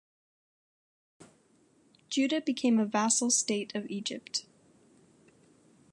Judah became a vassal state of Egypt.